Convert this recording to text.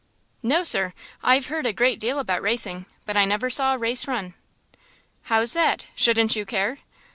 "No, sir. I've heard a great deal about racing, but I never saw a race run." "How's that, shouldn't you care?"